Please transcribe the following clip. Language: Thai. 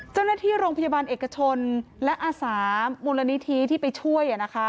เจ้าหน้าที่โรงพยาบาลเอกชนและอาสามูลนิธิที่ไปช่วย